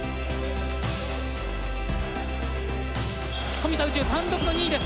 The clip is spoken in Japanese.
富田宇宙、単独の２位です。